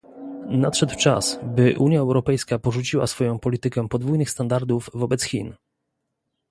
Nadszedł czas, by Unia Europejska porzuciła swoją politykę podwójnych standardów wobec Chin